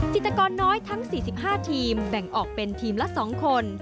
จิตกรน้อยทั้ง๔๕ทีมแบ่งออกเป็นทีมละ๒คน